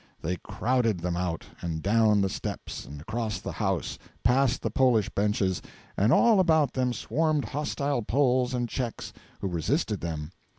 They crowded them out, and down the steps and across the House, past the Polish benches; and all about them swarmed hostile Poles and Czechs, who resisted them.